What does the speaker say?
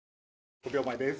５秒前です。